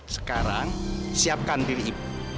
sekarang siapkan diri ibu